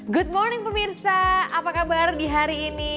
good morning pemirsa apa kabar di hari ini